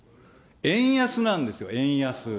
円安なんですよ、円安。